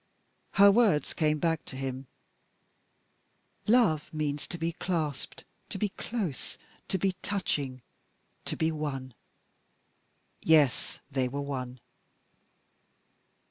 Her words came back to him: "Love means to be clasped, to be close, to be touching, to be One!" Yes, they were One.